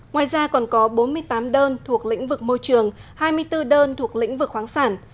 ngoài ra còn có bốn mươi tám đơn thuộc lĩnh vực môi trường